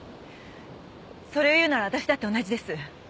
それを言うなら私だって同じです。